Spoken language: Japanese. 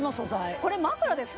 これ枕ですか？